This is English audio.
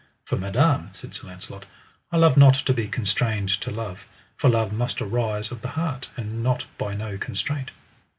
For madam, said Sir Launcelot, I love not to be constrained to love; for love must arise of the heart, and not by no constraint.